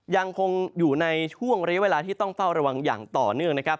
ยังคงอยู่ในช่วงระยะเวลาที่ต้องเฝ้าระวังอย่างต่อเนื่องนะครับ